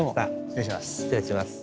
失礼します。